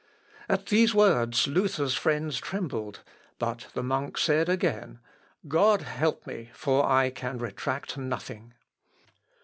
At these words, Luther's friends trembled, but the monk again said, "God help me; for I can retract nothing."